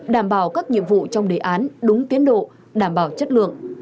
đảm bảo các nhiệm vụ trong đề án đúng tiến độ đảm bảo chất lượng